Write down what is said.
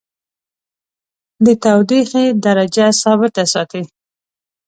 د تودیخي درجه ثابته ساتي.